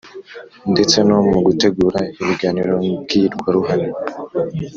ndetse no mu gutegura ibiganiro mbwirwaruhame